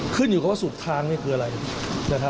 ขึ้นอยู่กับว่าสุขทางนี่คืออะไร